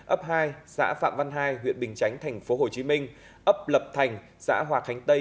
ấp hai xã phạm văn hai huyện bình chánh tp hcm ấp lập thành xã hòa khánh tây